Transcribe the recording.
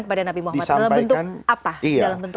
kepada nabi muhammad dalam bentuk apa